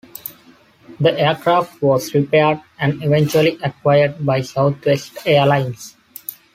The aircraft was repaired and eventually acquired by Southwest Airlines.